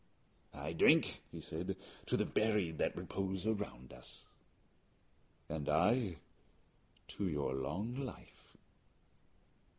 "I drink," he said, "to the buried that repose around us." "And I to your long life."